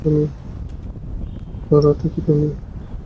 Laura, ওটা কি তুমি?